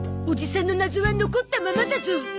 おじさんの謎は残ったままだゾ！